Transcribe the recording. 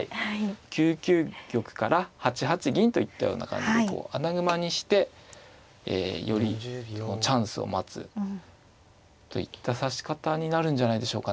９九玉から８八銀といったような感じで穴熊にしてよりチャンスを待つといった指し方になるんじゃないでしょうかね。